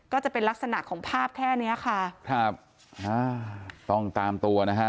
ก็จะเป็นลักษณะของภาพแค่เนี้ยค่ะครับอ่าต้องตามตัวนะฮะ